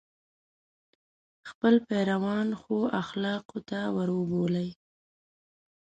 خپل پیروان ښو اخلاقو ته وروبولي.